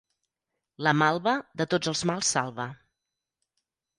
La malva de tots els mals salva.